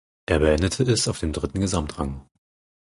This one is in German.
Er beendete es auf dem dritten Gesamtrang.